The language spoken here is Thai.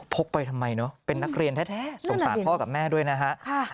กไปทำไมเนอะเป็นนักเรียนแท้สงสารพ่อกับแม่ด้วยนะฮะ